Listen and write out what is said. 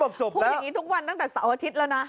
พูดอย่างนี้ทุกวันตั้งแต่เสาร์อาทิตย์แล้วนะ